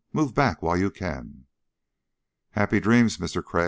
Move back while you can." "Happy dreams, Mister Crag